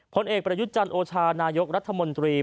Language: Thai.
ผลเอกประยุทธ์จันทร์โอชานายกรัฐมนตรี